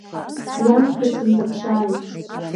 Иамҳәо сынҭаԥшааит!